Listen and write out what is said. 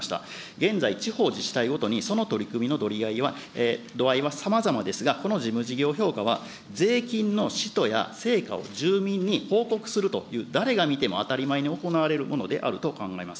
現在、地方自治体ごとにその取り組みの度合いはさまざまですが、この事務事業評価は、税金の使途や成果を住民に報告するという、誰が見ても当たり前に行われるものであると考えます。